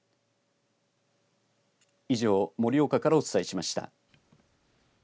以上、盛岡からお伝えしました。